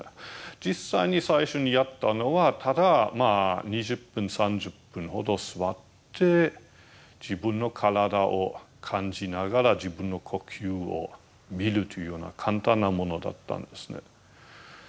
実際に最初にやったのはただまあ２０分３０分ほど坐って自分の体を感じながら自分の呼吸を見るというような簡単なものだったんですね。